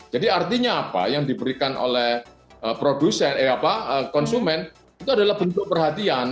jadi artinya apa yang diberikan oleh konsumen itu adalah bentuk perhatian